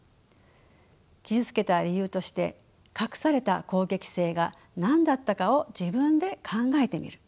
傷つけた理由として隠された攻撃性が何だったかを自分で考えてみる。